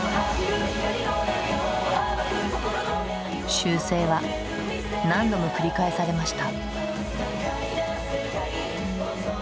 修正は何度も繰り返されました。